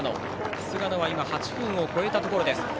菅野は今、８分を超えたところ。